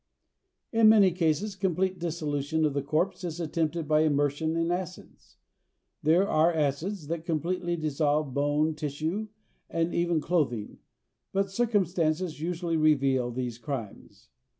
In many cases complete dissolution of the corpse is attempted by immersion in acids. There are acids that completely dissolve bone tissue and even clothing but circumstances usually reveal these crimes.